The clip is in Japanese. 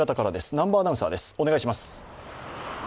南波アナウンサー、お願いします。